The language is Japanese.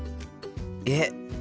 えっ？